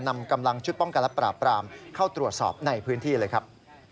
นำกำลังชุดป้องกันและปราบปรามเข้าตรวจสอบในพื้นที่เลยครับ